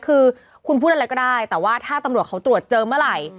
คือคุณพูดอะไรก็ได้แต่ว่าถ้าตำรวจเขาตรวจเจอเมื่อไหร่